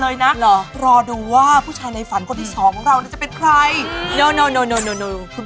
อยุดคำพูดแรง